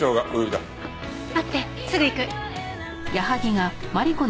待ってすぐ行く。